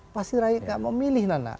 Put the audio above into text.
pasti rakyat gak mau milih anak